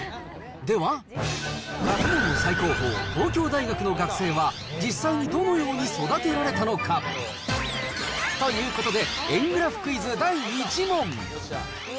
では、学問の最高峰、東京大学の学生は実際にどのように育てられたのか。ということで、円グラフクイズ第１問。